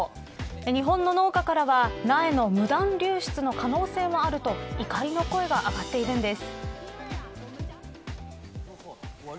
日本の農家からは、苗の無断流出の可能性もあると怒りの声が上がっているんです。